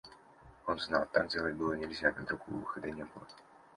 Он знал – так делать было нельзя, но другого выхода не было.